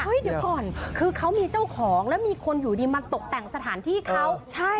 เดี๋ยวก่อนคือเขามีเจ้าของแล้วมีคนอยู่ดีมาตกแต่งสถานที่เขาใช่